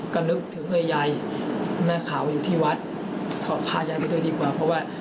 ก็นึกถึงเพื่อยายแม่ขาวอยู่ที่วัดขอพายายไปด้วยดีกว่าเพราะว่า